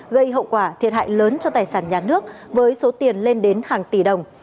gây hậu quả thiệt hại lớn cho tài sản nhà nước với số tiền lên đến hàng tỷ đồng